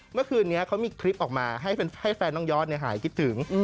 เมื่อคืนนี้เขามีคลิปออกมาให้แฟนน้องยอดหายคิดถึง